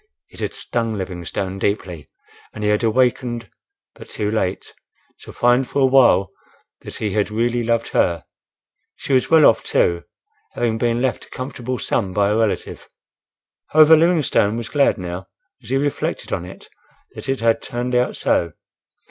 It had stung Livingstone deeply, and he had awakened, but too late, to find for a while that he had really loved her. She was well off too, having been left a comfortable sum by a relative. However, Livingstone was glad now, as he reflected on it, that it had turned out so.